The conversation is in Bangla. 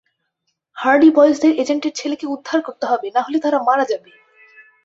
হার্ডি বয়েজদের এজেন্টের ছেলেকে উদ্ধার করতে হবে, না হলে তারা মারা যাবে!